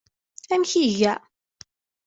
Amek iga?